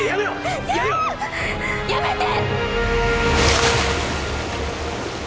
やめて！